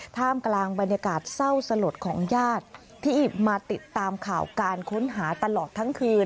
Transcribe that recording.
ท่ามกลางบรรยากาศเศร้าสลดของญาติที่มาติดตามข่าวการค้นหาตลอดทั้งคืน